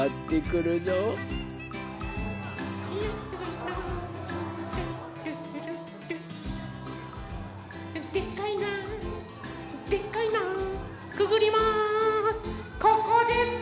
くぐります。